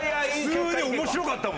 普通に面白かったもんね。